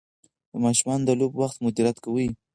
د ماشومانو د لوبو وخت مدیریت کوي.